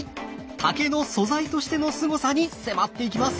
竹の素材としてのすごさに迫っていきます！